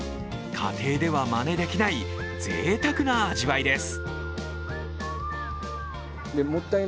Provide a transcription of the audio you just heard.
家庭ではまねできないぜいたくな味わいです。